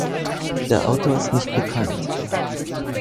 Der Autor ist nicht bekannt.